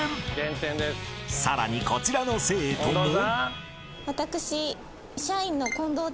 ［さらにこちらの生徒も］